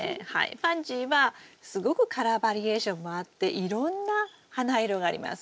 パンジーはすごくカラーバリエーションもあっていろんな花色があります。